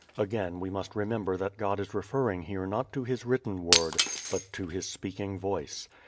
Again we must remember that God is referring here not to His written Word, but to His speaking Voice.